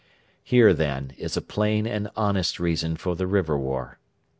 Here, then, is a plain and honest reason for the River War.